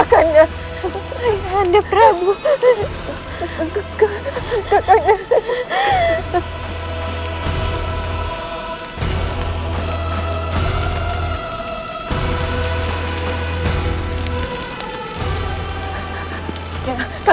kau tidak salah